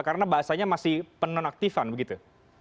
karena bahasanya masih penonaktifan begitu